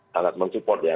sangat mensupport ya